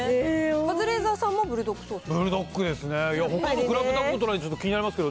カズレーザーさんもブルドックソース？